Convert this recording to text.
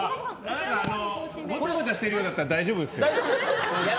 ごちゃごちゃしてるようだったら大丈夫ですよ。